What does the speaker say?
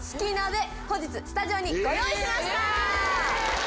本日スタジオにご用意しました。